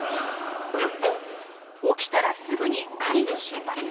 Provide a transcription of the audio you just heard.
起きたらすぐに狩りに出発。